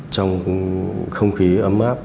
trong không khí ấm mát